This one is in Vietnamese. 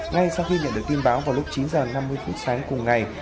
ngay sau khi nhận được tin báo vào lúc chín h năm mươi phút sáng cùng ngày